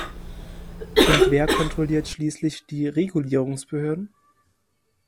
Und wer kontrolliert schließlich die Regulierungsbehörden?